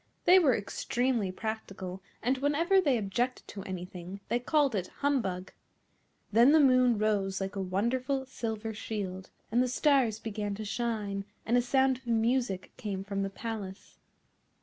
They were extremely practical, and whenever they objected to anything they called it humbug. Then the moon rose like a wonderful silver shield; and the stars began to shine, and a sound of music came from the palace.